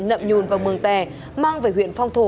nậm nhùn và mường tè mang về huyện phong thổ